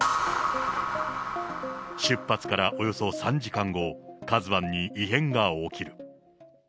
出発からおよそ３時間後、カズワンに異変が起きる。